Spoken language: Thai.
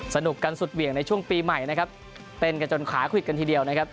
สนุกกันสุดเหวี่ยงในช่วงปีใหม่นะครับเต้นกันจนขาควิดกันทีเดียวนะครับ